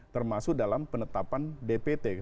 termasuk dalam penetapan dpt